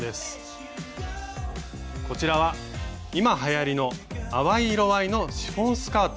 こちらは今はやりの淡い色合いのシフォンスカート。